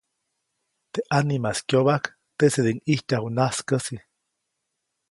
Teʼ ʼanimaʼis kyobajk teʼsediʼuŋ ʼijtyaju najskäsi.